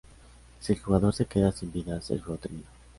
Si el jugador se queda sin vidas, el juego termina.